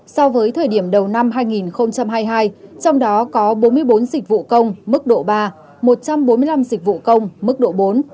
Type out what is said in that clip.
so với thời điểm đầu năm hai nghìn hai mươi hai trong đó có bốn mươi bốn dịch vụ công mức độ ba một trăm bốn mươi năm dịch vụ công mức độ bốn